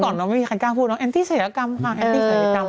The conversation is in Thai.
ค่อยล่ะอันนี้ค่อยต้องพูดแอนติสถิติกรรมค่ะ